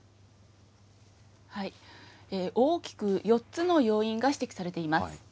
大きく４つの要因が指摘されています。